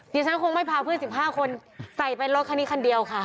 ดิฉันคงไม่พาเพื่อน๑๕คนใส่ไปรถคันนี้คันเดียวค่ะ